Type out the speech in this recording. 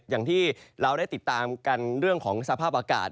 อย่างที่เราได้ติดตามกันเรื่องของสภาพอากาศ